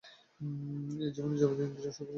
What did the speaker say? এই জীবনে যাবতীয় ইন্দ্রিয়-সুখের উৎস আসক্তি।